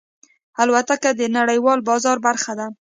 الوتکه د نړیوال بازار برخه ده.